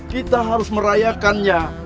kita harus merayakannya